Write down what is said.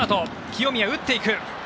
清宮、打っていく。